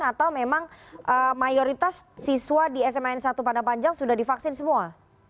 atau memang mayoritas siswa di sma n satu padapanjang sudah divaksin semua